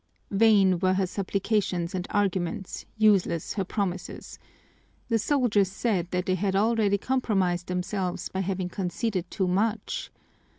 Vain were her supplications and arguments, useless her promises. The soldiers said that they had already compromised themselves by having conceded too much.